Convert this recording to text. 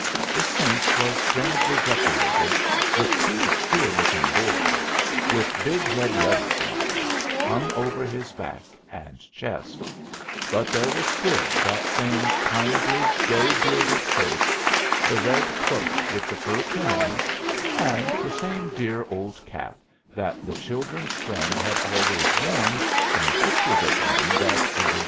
The saint was strangely decorated with two queer looking boards, with big red letters on them, hung over his back and chest; but there was still that same kindly, gray bearded face, the red cloak with the fur trimmings, and the same dear old cap that the children's friend had always worn in the pictures of him that Little Billee had seen.